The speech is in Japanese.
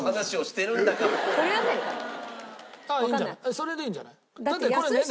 それでいいんじゃない？